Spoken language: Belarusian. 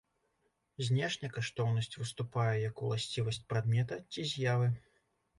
Знешне каштоўнасць выступае як уласцівасць прадмета ці з'явы.